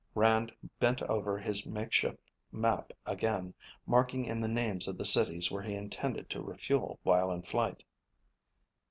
Rand bent over his makeshift map again, marking in the names of the cities where he intended to refuel while in flight.